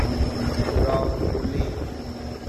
راوبولی